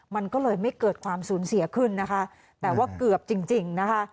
มันก็เลยไม่เกิดความสูญเสียขึ้นนะคะแต่ว่าเกือบจริงจริงนะคะ